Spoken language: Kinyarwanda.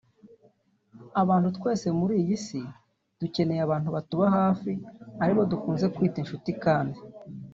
Abantu twese muri iyi si dukeneye abantu batuba hafi aribo dukunze kwita inshuti kandi